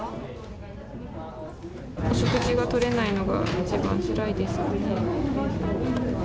お食事がとれないのがいちばんつらいですかね。